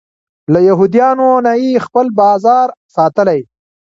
له یهودیانو نه یې خپل بازار ساتلی.